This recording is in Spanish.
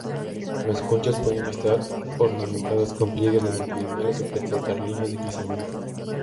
Las conchas podían estar ornamentadas con pliegues longitudinales o presentar líneas de crecimiento.